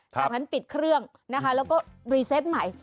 จากนั้นปิดเครื่องนะคะแล้วก็รีเซตใหม่